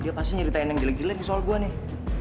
dia pasti nyeritain yang jelek jelek nih soal gue nih